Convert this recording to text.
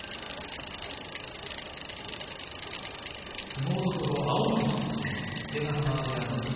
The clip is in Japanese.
相撲どころ青森出身伊勢ヶ濱部屋の錦